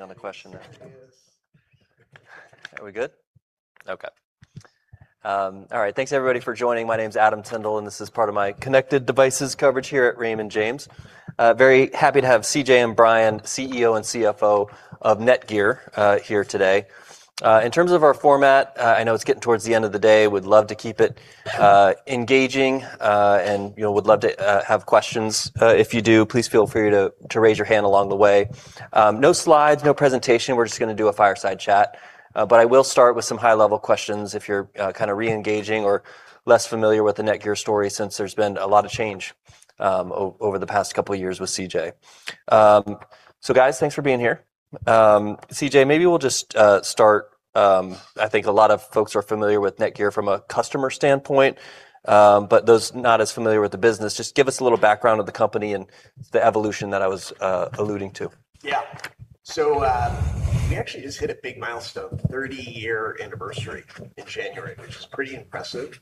On the question. Yes. Are we good? Okay. All right. Thanks everybody for joining. My name's Adam Tindle, and this is part of my connected devices coverage here at Raymond James. Very happy to have CJ and Bryan, CEO and CFO of NETGEAR, here today. In terms of our format, I know it's getting towards the end of the day. We'd love to keep it engaging, and, you know, would love to have questions. If you do, please feel free to raise your hand along the way. No slides, no presentation. We're just gonna do a fireside chat. I will start with some high-level questions if you're kind of re-engaging or less familiar with the NETGEAR story since there's been a lot of change over the past couple of years with CJ. Guys, thanks for being here. CJ, maybe we'll just start. I think a lot of folks are familiar with NETGEAR from a customer standpoint, but those not as familiar with the business, just give us a little background of the company and the evolution that I was alluding to. Yeah. We actually just hit a big milestone, 30-year anniversary in January, which is pretty impressive.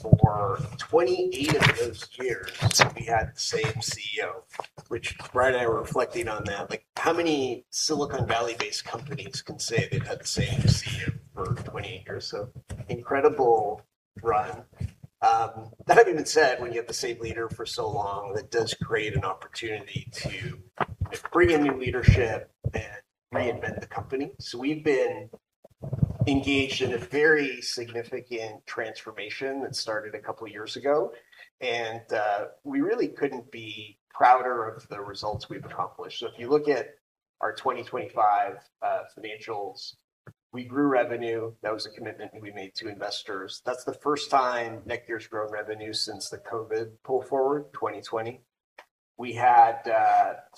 For 28 of those years, we had the same CEO, which Bryan and I were reflecting on that. Like, how many Silicon Valley-based companies can say they've had the same CEO for 28 years? Incredible run. That being said, when you have the same leader for so long, that does create an opportunity to bring in new leadership and reinvent the company. We've been engaged in a very significant transformation that started a couple of years ago, and we really couldn't be prouder of the results we've accomplished. If you look at our 2025 financials, we grew revenue. That was a commitment we made to investors. That's the first time NETGEAR's grown revenue since the COVID pull forward, 2020. We had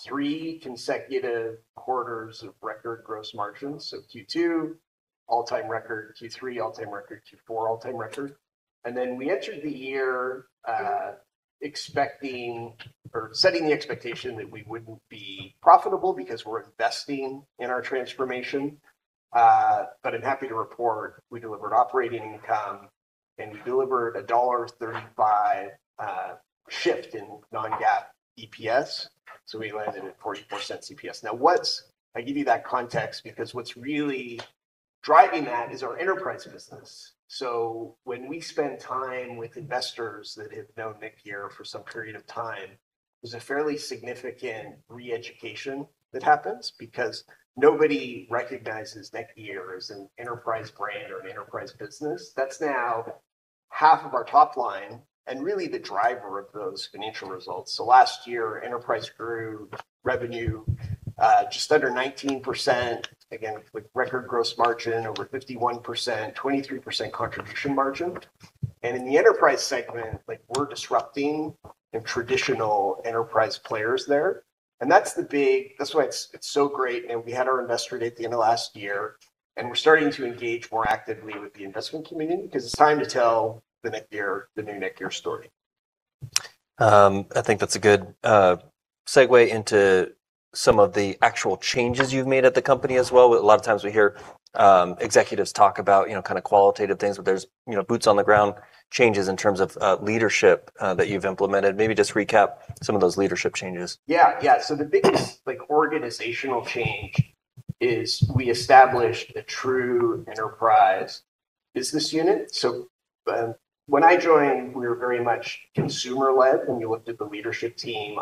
three consecutive quarters of record gross margins. Q2 all-time record, Q3 all-time record, Q4 all-time record. We entered the year expecting or setting the expectation that we wouldn't be profitable because we're investing in our transformation. I'm happy to report we delivered operating income, and we delivered a $1.35 shift in non-GAAP EPS. We landed at $0.44 EPS. I give you that context because what's really driving that is our enterprise business. When we spend time with investors that have known NETGEAR for some period of time, there's a fairly significant re-education that happens because nobody recognizes NETGEAR as an enterprise brand or an enterprise business. That's now 1/2 of our top line and really the driver of those financial results. Last year, enterprise grew revenue just under 19%. Again, with record gross margin over 51%, 23% contribution margin. In the enterprise segment, like, we're disrupting the traditional enterprise players there, that's why it's so great. We had our Investor Day at the end of last year, and we're starting to engage more actively with the investment community because it's time to tell the NETGEAR, the new NETGEAR story. I think that's a good segue into some of the actual changes you've made at the company as well. A lot of times we hear, executives talk about, you know, kind of qualitative things, but there's, you know, boots-on-the-ground changes in terms of leadership that you've implemented. Maybe just recap some of those leadership changes. Yeah. Yeah. The biggest, like, organizational change is we established a true enterprise business unit. When I joined, we were very much consumer-led. When you looked at the leadership team,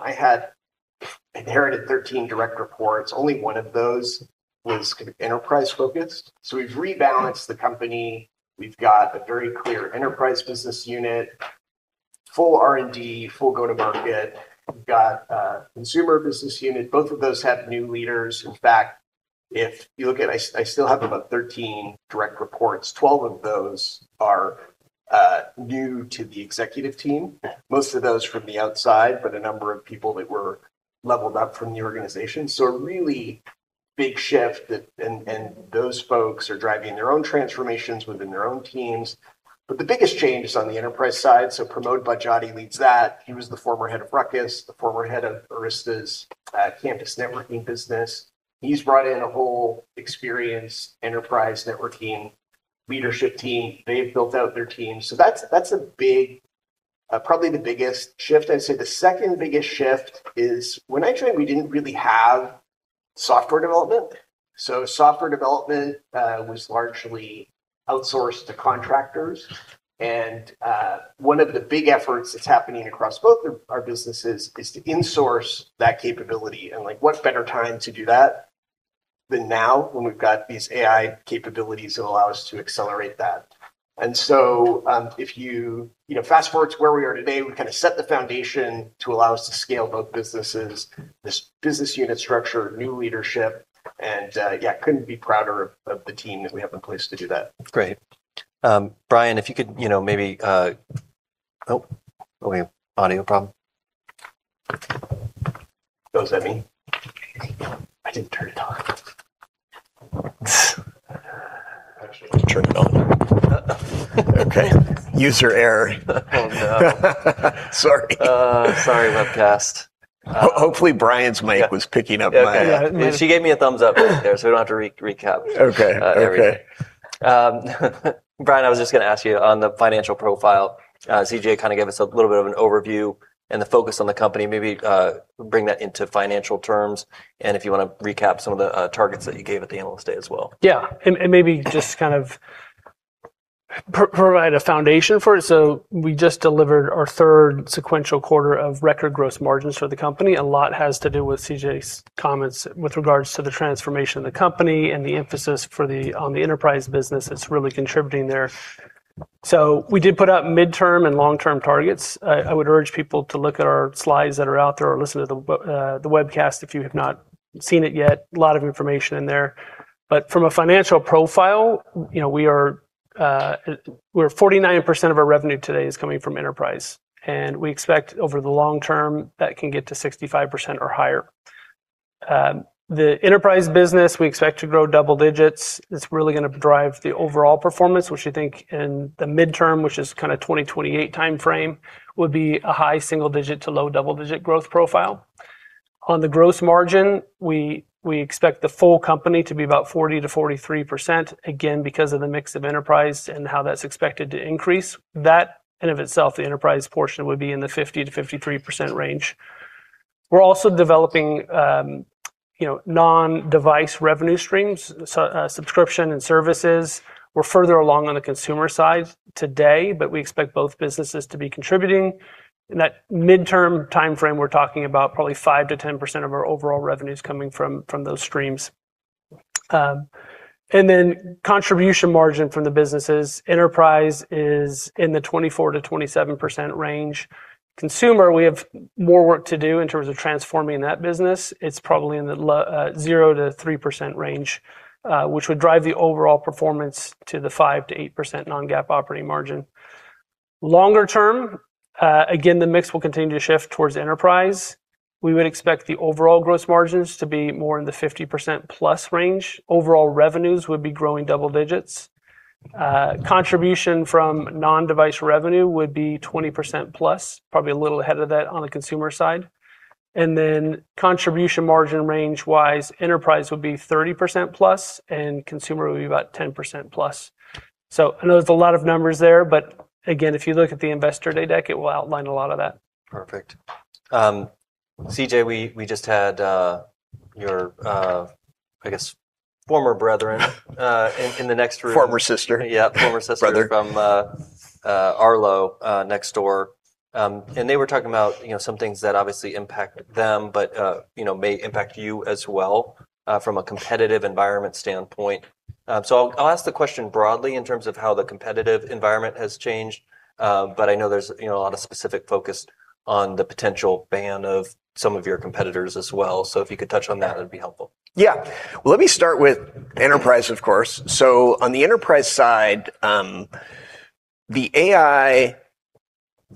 I had inherited 13 direct reports. Only one of those was enterprise-focused. We've rebalanced the company. We've got a very clear enterprise business unit, full R&D, full go-to-market. We've got a consumer business unit. Both of those have new leaders. In fact, if you look at I still have about 13 direct reports. 12 of those are new to the executive team. Most of those from the outside, but a number of people that were leveled up from the organization. A really big shift that. And those folks are driving their own transformations within their own teams. The biggest change is on the enterprise side. Pramod Badjate leads that. He was the former head of Ruckus, the former head of Arista's campus networking business. He's brought in a whole experienced enterprise network team, leadership team. They've built out their team. That's, that's a big, probably the biggest shift. I'd say the second biggest shift is when I joined, we didn't really have software development. Software development was largely outsourced to contractors. One of the big efforts that's happening across both of our businesses is to insource that capability. Like, what better time to do that than now when we've got these AI capabilities that allow us to accelerate that. If you know, fast-forward to where we are today, we kind of set the foundation to allow us to scale both businesses, this business unit structure, new leadership, and, yeah, couldn't be prouder of the team that we have in place to do that. Great. Bryan, if you could, you know, maybe... Oh. Oh, wait. Audio problem. Was that me? I didn't turn it on. Actually, turn it on. Okay. User error. Oh, no. Sorry. Sorry about that. Hopefully Bryan's mic was picking up my... Yeah. Yeah. She gave me a thumbs up there, so we don't have to recap. Okay. Okay. Bryan, I was just gonna ask you on the financial profile, CJ kind of gave us a little bit of an overview and the focus on the company, maybe, bring that into financial terms, and if you wanna recap some of the targets that you gave at the Analyst Day as well. Yeah. Maybe just kind of provide a foundation for it. We just delivered our third sequential quarter of record gross margins for the company. A lot has to do with CJ's comments with regards to the transformation of the company and the emphasis on the enterprise business that's really contributing there. We did put out midterm and long-term targets. I would urge people to look at our slides that are out there or listen to the webcast if you have not seen it yet. A lot of information in there. From a financial profile, you know, we are, we're 49% of our revenue today is coming from enterprise, and we expect over the long term that can get to 65% or higher. The enterprise business, we expect to grow double digits. It's really gonna drive the overall performance, which I think in the midterm, which is kinda 2028 timeframe, would be a high single-digit to low double-digit growth profile. On the gross margin, we expect the full company to be about 40%-43%, again, because of the mix of enterprise and how that's expected to increase. That in and of itself, the enterprise portion would be in the 50%-53% range. We're also developing, you know, non-device revenue streams, subscription and services. We're further along on the consumer side today, but we expect both businesses to be contributing. In that midterm timeframe, we're talking about probably 5%-10% of our overall revenues coming from those streams. Contribution margin from the businesses. Enterprise is in the 24%-27% range. Consumer, we have more work to do in terms of transforming that business. It's probably in the 0%-3% range, which would drive the overall performance to the 5%-8% non-GAAP operating margin. Longer term, again, the mix will continue to shift towards enterprise. We would expect the overall gross margins to be more in the 50%+ range. Overall revenues would be growing double digits. Contribution from non-device revenue would be 20%+, probably a little ahead of that on the consumer side. Contribution margin range-wise, enterprise would be 30%+, and consumer would be about 10%+. I know there's a lot of numbers there, but again, if you look at the Investor Day deck, it will outline a lot of that. Perfect. CJ, we just had, your, I guess former brethren, in the next room. Former sister. Yeah, former sister- Former.... from Arlo next door. They were talking about, you know, some things that obviously impact them, but, you know, may impact you as well, from a competitive environment standpoint. I'll ask the question broadly in terms of how the competitive environment has changed. I know there's, you know, a lot of specific focus on the potential ban of some of your competitors as well. If you could touch on that'd be helpful. Yeah. Let me start with enterprise, of course. On the enterprise side, the AI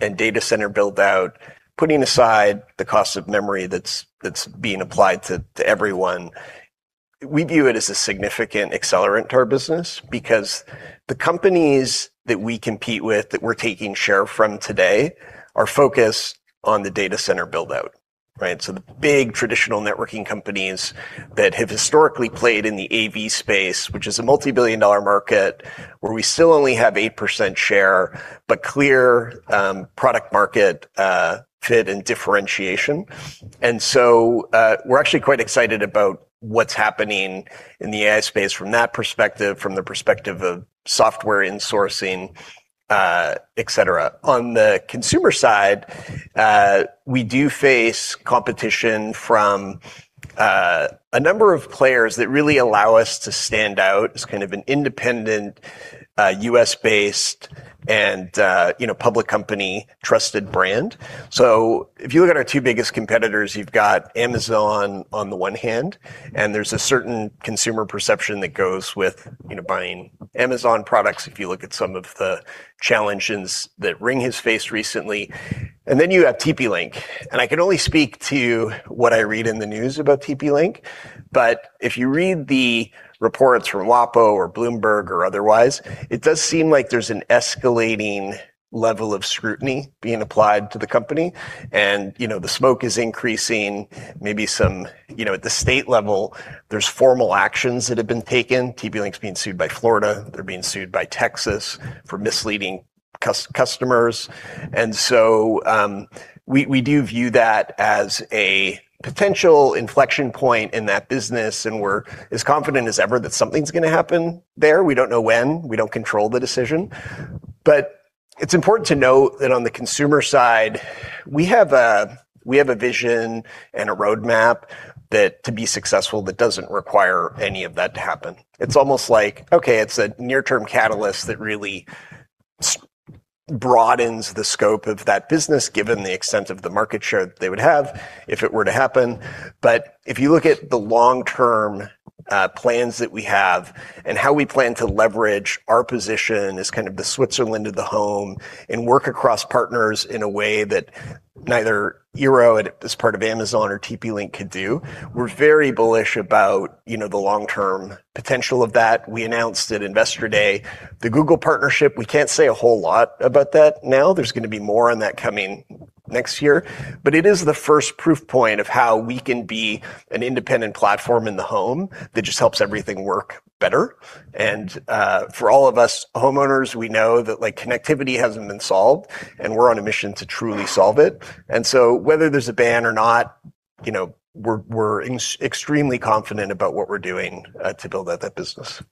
and data center build out, putting aside the cost of memory that's being applied to everyone, we view it as a significant accelerant to our business because the companies that we compete with that we're taking share from today are focused on the data center build-out, right? The big traditional networking companies that have historically played in the AV space, which is a multi-billion dollar market where we still only have 8% share, but clear product market fit and differentiation. We're actually quite excited about what's happening in the AI space from that perspective, from the perspective of software insourcing, et cetera. On the consumer side, we do face competition from a number of players that really allow us to stand out as kind of an independent, U.S.-based and, you know, public company trusted brand. If you look at our two biggest competitors, you've got Amazon on the one hand, and there's a certain consumer perception that goes with, you know, buying Amazon products if you look at some of the challenges that Ring has faced recently. You have TP-Link, and I can only speak to what I read in the news about TP-Link. If you read the reports from WaPo or Bloomberg or otherwise, it does seem like there's an escalating level of scrutiny being applied to the company. You know, the smoke is increasing. Maybe some, you know, at the state level, there's formal actions that have been taken. TP-Link's being sued by Florida. They're being sued by Texas for misleading customers. We, we do view that as a potential inflection point in that business, and we're as confident as ever that something's gonna happen there. We don't know when, we don't control the decision. It's important to note that on the consumer side, we have a, we have a vision and a roadmap that to be successful, that doesn't require any of that to happen. It's almost like, okay, it's a near-term catalyst that really broadens the scope of that business, given the extent of the market share that they would have if it were to happen. If you look at the long-term plans that we have and how we plan to leverage our position as kind of the Switzerland of the home and work across partners in a way that neither eero at this part of Amazon or TP-Link could do. We're very bullish about, you know, the long-term potential of that. We announced at Investor Day the Google partnership. We can't say a whole lot about that now. There's gonna be more on that coming next year. It is the first proof point of how we can be an independent platform in the home that just helps everything work better. For all of us homeowners, we know that like connectivity hasn't been solved, and we're on a mission to truly solve it. Whether there's a ban or not, you know, we're extremely confident about what we're doing to build out that business.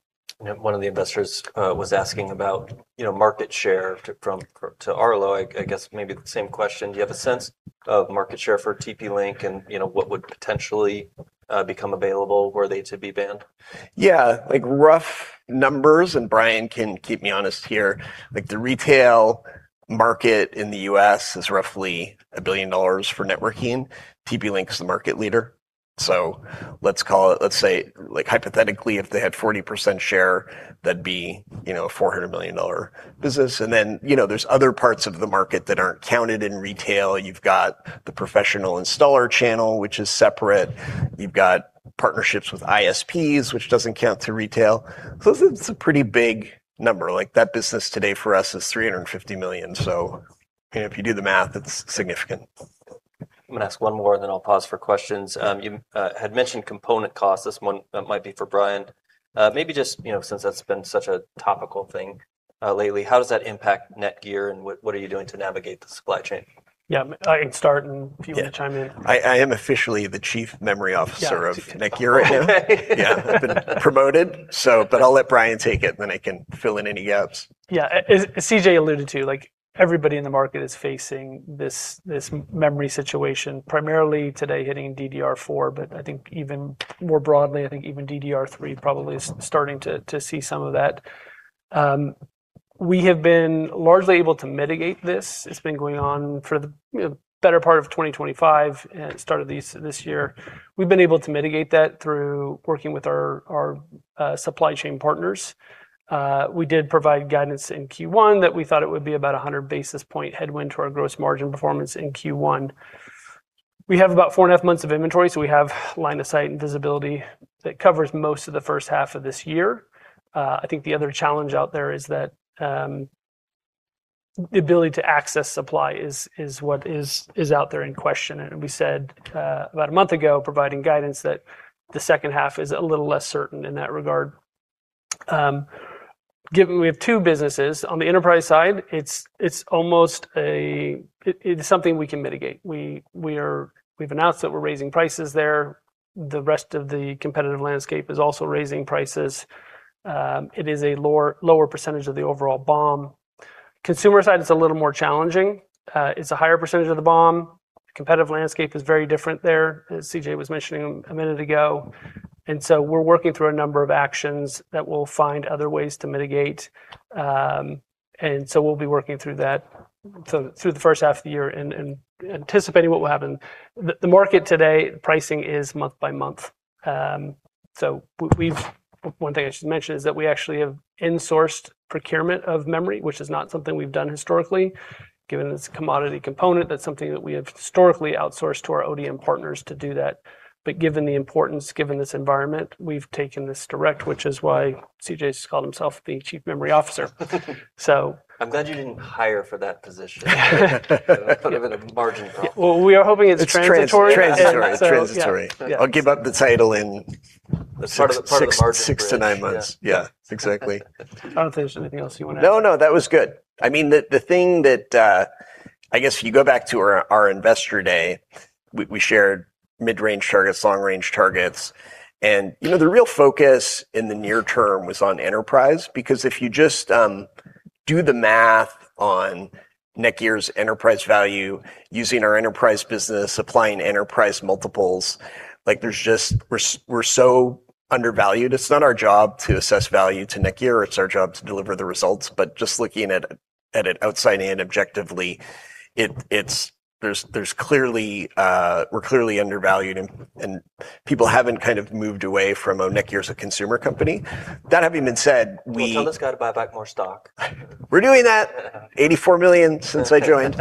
One of the investors was asking about, you know, market share to, from, to Arlo. I guess maybe the same question. Do you have a sense of market share for TP-Link and, you know, what would potentially become available were they to be banned? Yeah, like rough numbers, and Bryan can keep me honest here. Like the retail market in the U.S. is roughly $1 billion for networking. TP-Link's the market leader, let's say like hypothetically, if they had 40% share, that'd be, you know, a $400 million business. And then, you know, there's other parts of the market that aren't counted in retail. You've got the professional installer channel, which is separate. You've got partnerships with ISPs, which doesn't count to retail. It's a pretty big number. Like that business today for us is $350 million. You know, if you do the math, it's significant. I'm gonna ask one more and then I'll pause for questions. You had mentioned component costs. This one might be for Bryan. Maybe just, you know, since that's been such a topical thing lately, how does that impact NETGEAR, and what are you doing to navigate the supply chain? Yeah. I can start and if you wanna chime in. Yeah. I am officially the Chief Memory Officer of NETGEAR right now. Yeah. Yeah. I've been promoted, so but I'll let Bryan take it, then I can fill in any gaps. As CJ alluded to, like everybody in the market is facing this memory situation primarily today hitting DDR4, but I think even more broadly, I think even DDR3 probably is starting to see some of that. We have been largely able to mitigate this. It's been going on for the, you know, better part of 2025, and it started this year. We've been able to mitigate that through working with our supply chain partners. We did provide guidance in Q1 that we thought it would be about a 100 basis point headwind to our gross margin performance in Q1. We have about four and a half months of inventory, we have line of sight and visibility that covers most of the first half of this year. I think the other challenge out there is that the ability to access supply is what is out there in question. We said about a month ago, providing guidance that the second half is a little less certain in that regard. Given we have two businesses on the enterprise side, it's almost something we can mitigate. We've announced that we're raising prices there. The rest of the competitive landscape is also raising prices. It is a lower percentage of the overall BOM. Consumer side is a little more challenging. It's a higher percentage of the BOM. Competitive landscape is very different there, as CJ was mentioning a minute ago. We're working through a number of actions that will find other ways to mitigate. We'll be working through that so through the first half of the year and anticipating what will happen. The market today, pricing is month by month. One thing I should mention is that we actually have insourced procurement of memory, which is not something we've done historically. Given it's a commodity component, that's something that we have historically outsourced to our ODM partners to do that. Given the importance, given this environment, we've taken this direct, which is why CJ's called himself the Chief Memory Officer. So... I'm glad you didn't hire for that position. Put him in a margin call. Well, we are hoping it's transitory. It's transitory. It's transitory. Yeah. Yeah. I'll give up the title in six. Part of the margin bridge. Six to nine months. Yeah. Yeah. Exactly. I don't think there's anything else you wanna add. No, no. That was good. I mean, the thing that, I guess you go back to our Investor Day, we shared mid-range targets, long-range targets, and, you know, the real focus in the near term was on enterprise. Because if you just do the math on NETGEAR's enterprise value using our enterprise business, applying enterprise multiples, like there's just we're so undervalued. It's not our job to assess value to NETGEAR, it's our job to deliver the results. But just looking at it outside in objectively, it's there's clearly, we're clearly undervalued and people haven't kind of moved away from, oh, NETGEAR's a consumer company. That having been said... Well, tell us, gotta buy back more stock. We're doing that. $84 million since I joined.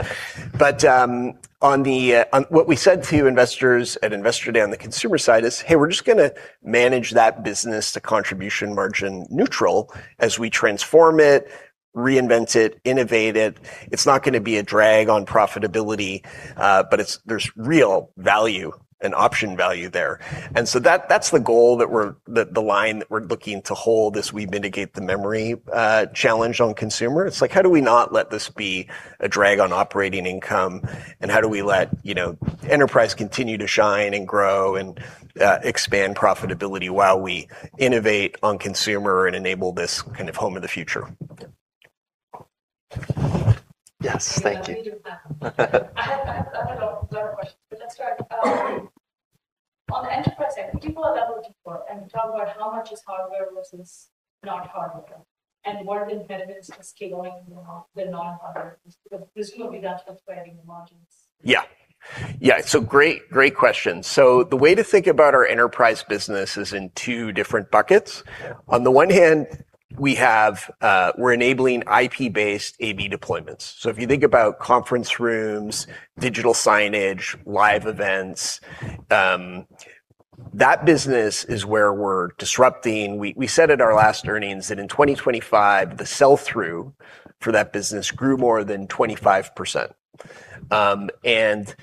On what we said to investors at Investor Day on the consumer side is, "Hey, we're just gonna manage that business to contribution margin neutral as we transform it, reinvent it, innovate it." It's not gonna be a drag on profitability, but there's real value and option value there. That's the goal that we're the line that we're looking to hold as we mitigate the memory challenge on consumer. It's like, how do we not let this be a drag on operating income? How do we let, you know, enterprise continue to shine and grow and expand profitability while we innovate on consumer and enable this kind of home of the future? Yeah. Yes. Thank you. We do have, I don't know, a lot of questions, but let's start. On the enterprise side, can you go on level 24 and talk about how much is hardware versus not hardware? What are the benefits to scaling, you know, the non-hardware? Presumably that's what's driving the margins. Yeah. Yeah. Great, great question. The way to think about our enterprise business is in two different buckets. On the one hand, we have, we're enabling IP-based AV deployments. If you think about conference rooms, digital signage, live events, that business is where we're disrupting. We said at our last earnings that in 2025, the sell-through for that business grew more than 25%. And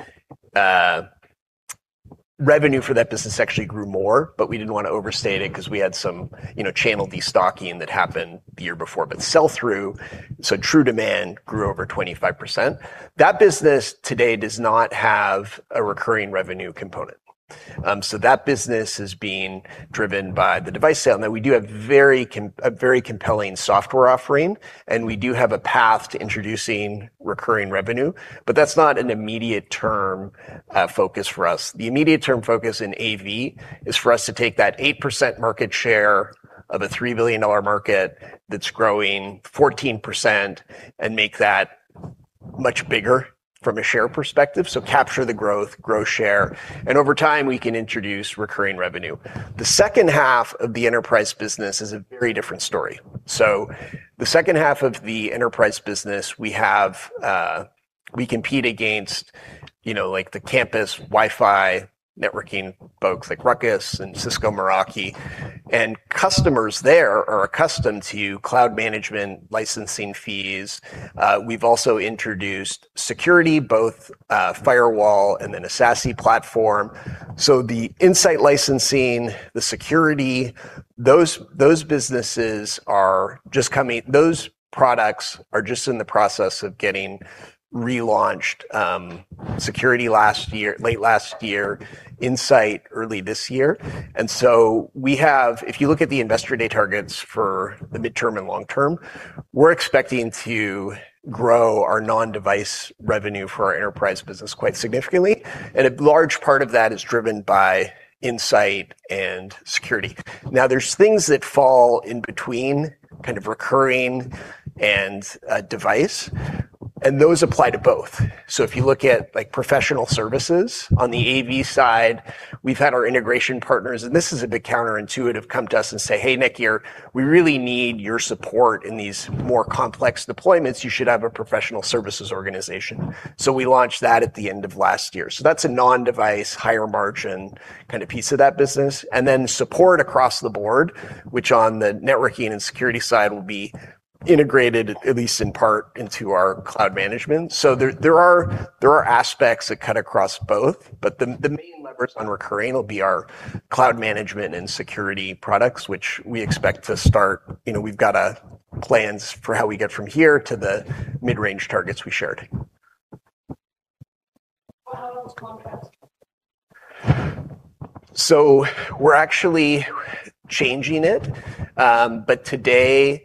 revenue for that business actually grew more, but we didn't wanna overstate it 'cause we had some, you know, channel destocking that happened the year before. Sell-through, true demand grew over 25%. That business today does not have a recurring revenue component. That business is being driven by the device sale. We do have a very compelling software offering, and we do have a path to introducing recurring revenue, but that's not an immediate term focus for us. The immediate term focus in AV is for us to take that 8% market share of a $3 billion market that's growing 14% and make that much bigger from a share perspective. Capture the growth, grow share, and over time we can introduce recurring revenue. The second half of the enterprise business is a very different story. The second half of the enterprise business we have, we compete against, you know, like the campus Wi-Fi networking folks like Ruckus and Cisco Meraki. Customers there are accustomed to cloud management licensing fees. We've also introduced security, both firewall and then a SASE platform. The Insight licensing, the security, those products are just in the process of getting relaunched. Security late last year, Insight early this year. If you look at the Investor Day targets for the midterm and long term, we're expecting to grow our non-device revenue for our enterprise business quite significantly, and a large part of that is driven by Insight and security. There's things that fall in between kind of recurring and a device, and those apply to both. If you look at like professional services on the AV side, we've had our integration partners, and this is a bit counterintuitive, come to us and say, "Hey, NETGEAR, we really need your support in these more complex deployments. You should have a professional services organization." We launched that at the end of last year. That's a non-device, higher margin kind of piece of that business. Support across the board, which on the networking and security side will be integrated at least in part into our cloud management. There are aspects that cut across both, but the main levers on recurring will be our cloud management and security products which we expect to start... You know, we've got plans for how we get from here to the mid-range targets we shared. Well, how long is the contract? We're actually changing it. Today,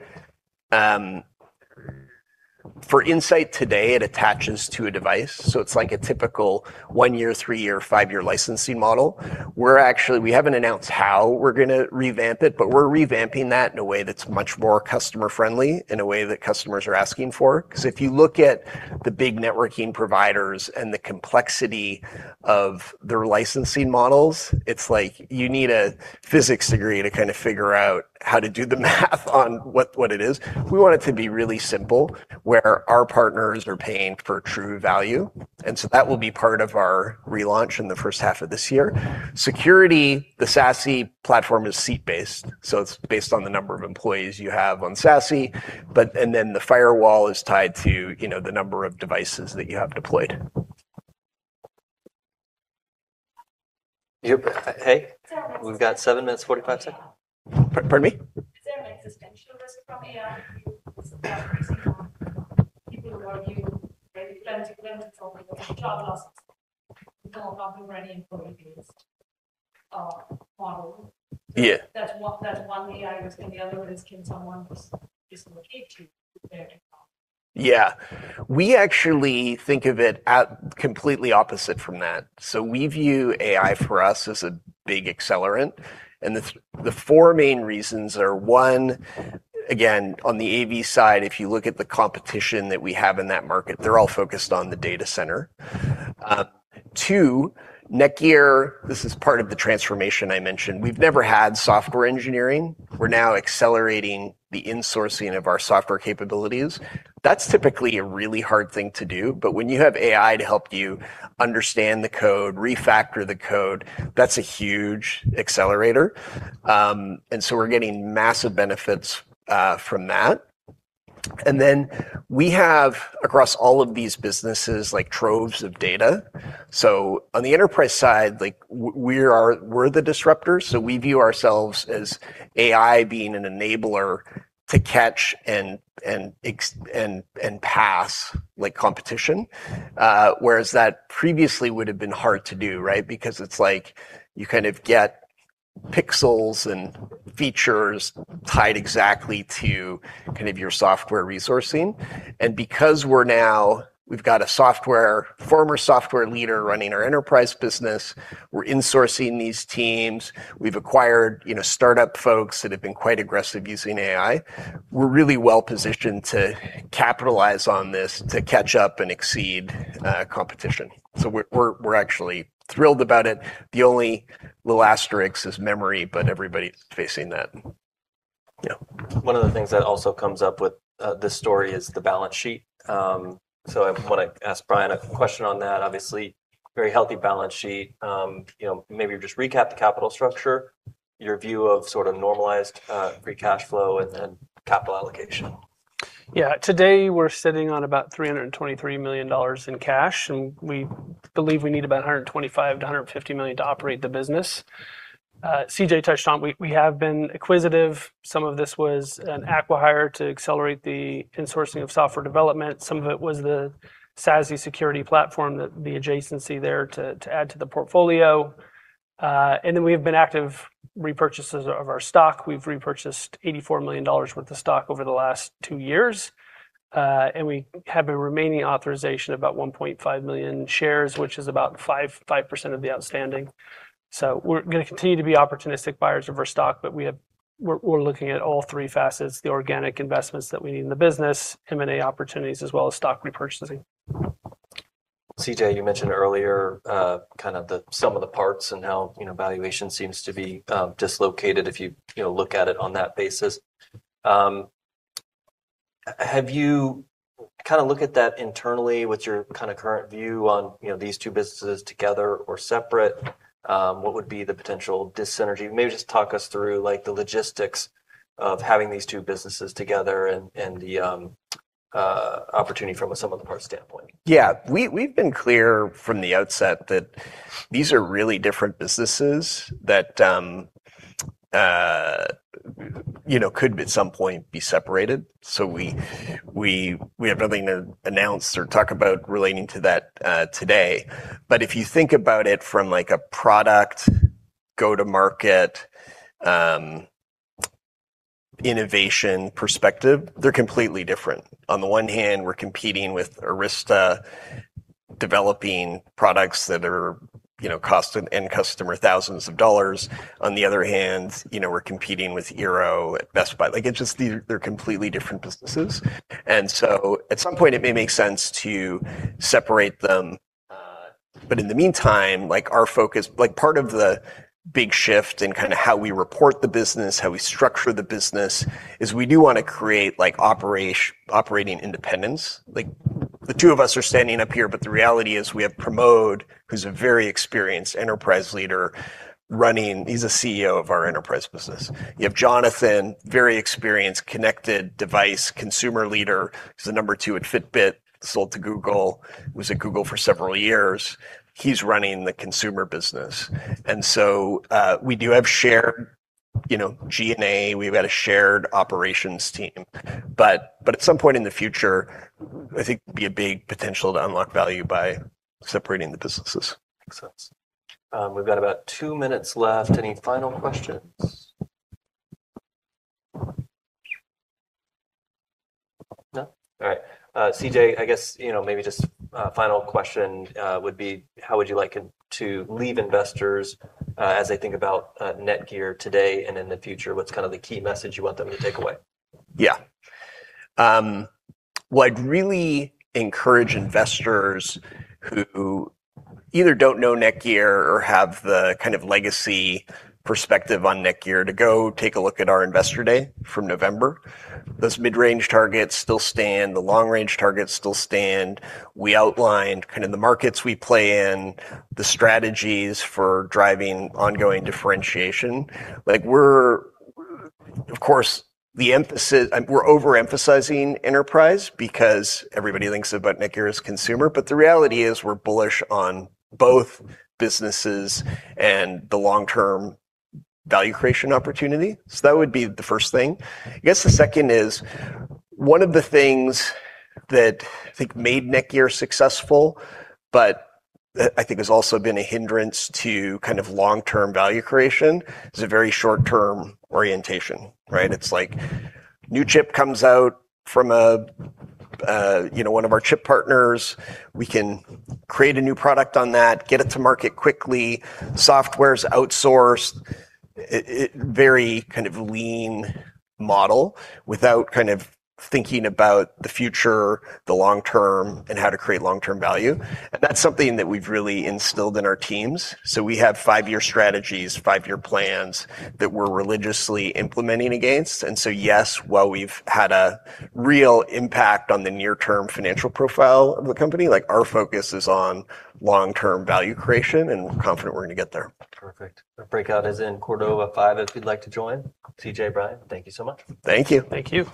for Insight today it attaches to a device, so it's like a typical one-year, three-year, five-year licensing model. We haven't announced how we're gonna revamp it, but we're revamping that in a way that's much more customer friendly, in a way that customers are asking for. 'Cause if you look at the big networking providers and the complexity of their licensing models, it's like you need a physics degree to kinda figure out how to do the math on what it is. We want it to be really simple where our partners are paying for true value. That will be part of our relaunch in the first half of this year. Security, the SASE platform is seat-based, so it's based on the number of employees you have on SASE. The firewall is tied to, you know, the number of devices that you have deployed. Hey, we've got seven minutes, 45 seconds. Pardon me? Is there an existential risk from AI? Yeah. That one, that one AI risk and the other risk can someone dislocate you? Yeah. We actually think of it at completely opposite from that. We view AI for us as a big accelerant, and the four main reasons are: one, again, on the AV side, if you look at the competition that we have in that market, they're all focused on the data center. Two, NETGEAR, this is part of the transformation I mentioned. We've never had software engineering. We're now accelerating the insourcing of our software capabilities. That's typically a really hard thing to do, but when you have AI to help you understand the code, refactor the code, that's a huge accelerator. We're getting massive benefits from that. We have across all of these businesses, like troves of data. On the enterprise side, like we are, we're the disruptor, so we view ourselves as AI being an enabler to catch and pass like competition. Whereas that previously would have been hard to do, right? Because it's like you kind of get pixels and features tied exactly to kind of your software resourcing. Because we've got a former software leader running our enterprise business, we're insourcing these teams, we've acquired, you know, startup folks that have been quite aggressive using AI, we're really well positioned to capitalize on this to catch up and exceed competition. We're actually thrilled about it. The only little asterisk is memory, but everybody's facing that. Yeah. One of the things that also comes up with this story is the balance sheet. I wanna ask Bryan a question on that. Obviously, very healthy balance sheet. You know, maybe just recap the capital structure, your view of sort of normalized free cash flow and then capital allocation. Today, we're sitting on about $323 million in cash, and we believe we need about $125 million-$150 million to operate the business. CJ touched on, we have been acquisitive. Some of this was an acqui-hire to accelerate the insourcing of software development. Some of it was the SASE security platform, the adjacency there to add to the portfolio. Then we have been active repurchasers of our stock. We've repurchased $84 million worth of stock over the last two years. We have a remaining authorization of about 1.5 million shares, which is about 5% of the outstanding. We're gonna continue to be opportunistic buyers of our stock, but we're looking at all three facets, the organic investments that we need in the business, M&A opportunities, as well as stock repurchasing. CJ, you mentioned earlier, kind of the sum of the parts and how, you know, valuation seems to be dislocated if you know, look at it on that basis. Have you kinda looked at that internally, what's your kinda current view on, you know, these two businesses together or separate? What would be the potential dyssynergy? Maybe just talk us through, like, the logistics of having these two businesses together and the opportunity from a sum of the parts standpoint. Yeah. We've been clear from the outset that these are really different businesses that, you know, could at some point be separated. We have nothing to announce or talk about relating to that today. If you think about it from, like, a product go-to-market, innovation perspective, they're completely different. On the one hand, we're competing with Arista, developing products that are, you know, costing end customer thousands of dollars. On the other hand, you know, we're competing with eero at Best Buy. Like, it's just, they're completely different businesses. At some point, it may make sense to separate them. In the meantime, like, our focus. Like, part of the big shift in kinda how we report the business, how we structure the business is we do wanna create, like, operating independence. Like, the two of us are standing up here, but the reality is we have Pramod, who's a very experienced enterprise leader, running. He's a CEO of our enterprise business. You have Jonathan, very experienced, connected device consumer leader. He's the number two at Fitbit, sold to Google, was at Google for several years. He's running the consumer business. We do have shared, you know, G&A. We've got a shared operations team. At some point in the future, I think there'd be a big potential to unlock value by separating the businesses. Makes sense. We've got about two minutes left. Any final questions? No? All right. CJ, I guess, you know, maybe just a final question would be, how would you like it to leave investors as they think about NETGEAR today and in the future? What's kind of the key message you want them to take away? Yeah. Well, I'd really encourage investors who either don't know NETGEAR or have the kind of legacy perspective on NETGEAR to go take a look at our Investor Day from November. Those mid-range targets still stand, the long-range targets still stand. We outlined kind of the markets we play in, the strategies for driving ongoing differentiation. Like, of course, we're overemphasizing enterprise because everybody thinks about NETGEAR as consumer, but the reality is we're bullish on both businesses and the long-term value creation opportunity. That would be the first thing. I guess the second is, one of the things that I think made NETGEAR successful, but I think has also been a hindrance to kind of long-term value creation, is a very short-term orientation, right? It's like new chip comes out from a, you know, one of our chip partners, we can create a new product on that, get it to market quickly. Software is outsourced. Very kind of lean model without kind of thinking about the future, the long term, and how to create long-term value, and that's something that we've really instilled in our teams. We have five-year strategies, five-year plans that we're religiously implementing against. Yes, while we've had a real impact on the near-term financial profile of the company, like, our focus is on long-term value creation, and we're confident we're gonna get there. Perfect. The breakout is in Cordova 5 if you'd like to join. CJ, Bryan, thank you so much. Thank you. Thank you.